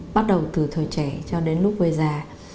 bắt đầu từ thời trẻ cho đến lúc về già